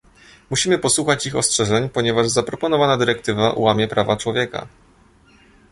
Musimy posłuchać ich ostrzeżeń, ponieważ zaproponowana dyrektywa łamie prawa człowieka